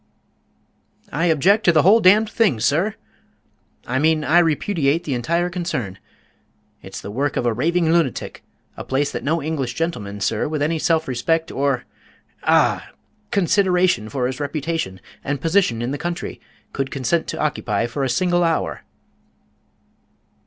"I object to the whole damned thing, sir! I mean, I repudiate the entire concern. It's the work of a raving lunatic a place that no English gentleman, sir, with any self respect or ah! consideration for his reputation and position in the county, could consent to occupy for a single hour!"